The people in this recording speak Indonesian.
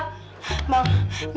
besar orang lagi